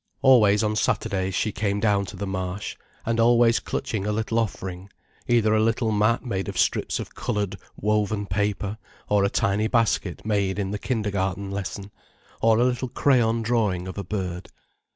Always on Saturdays she came down to the Marsh, and always clutching a little offering, either a little mat made of strips of coloured, woven paper, or a tiny basket made in the kindergarten lesson, or a little crayon drawing of a bird.